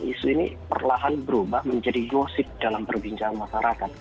isu ini perlahan berubah menjadi gosip dalam perbincangan masyarakat